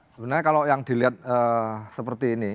sebenarnya kalau yang dilihat seperti ini